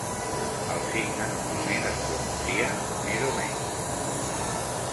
El signe normalment es pronuncia "més o menys".